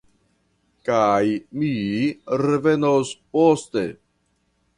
Kaj mi revenos poste.